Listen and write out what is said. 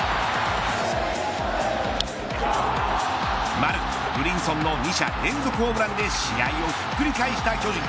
丸、ブリンソンの２者連続ホームランで試合をひっくり返した巨人。